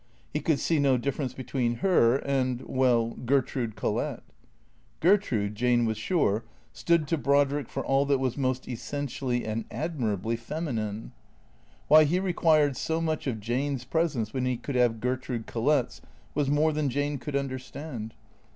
He could see no differ ence between her and, well, Gertrude Collett. Gertrude, Jane was sure, stood to Brodrick for all that was most essentially and admirably feminine. Why he required so much of Jane's pres ence when he could have Gertrude Collett's was more than Jane could understand.